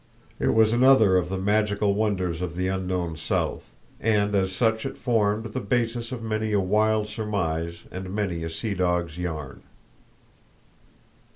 It was another of the magical wonders of the unknown South, and as such it formed the basis of many a "wild surmise" and many a sea dog's yarn.